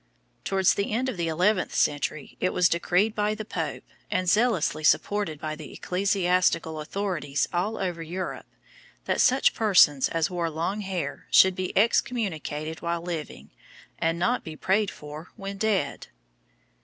Towards the end of the eleventh century, it was decreed by the pope, and zealously supported by the ecclesiastical authorities all over Europe, that such persons as wore long hair should be excommunicated while living, and not be prayed for when dead.